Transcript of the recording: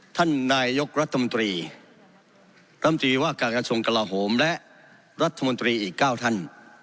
ท่านนายกรัฐมนตรีลำตีว่าการกระทรวงกลาโหมและรัฐมนตรีอีก๙ท่าน